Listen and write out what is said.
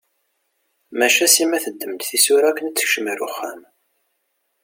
Maca Sima teddem-d tisura akken ad tekcem ɣer uxxam.